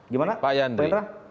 gimana pak yandri